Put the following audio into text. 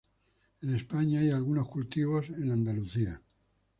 En España hay algunos cultivos en Andalucía.